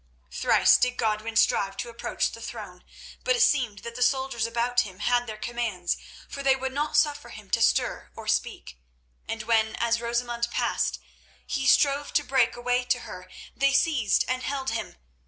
Thrice did Godwin strive to approach the throne. But it seemed that the soldiers about him had their commands, for they would not suffer him to stir or speak; and when, as Rosamund passed, he strove to break a way to her, they seized and held him.